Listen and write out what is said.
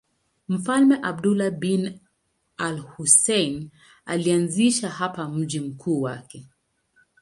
Mfalme Abdullah bin al-Husayn alianzisha hapa mji mkuu wake.